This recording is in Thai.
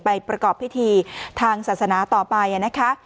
ประกอบพิธีทางศาสนาต่อไปนะคะ